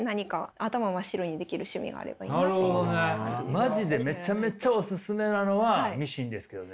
マジでめちゃめちゃお勧めなのはミシンですけどね。